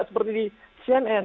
seperti di cnn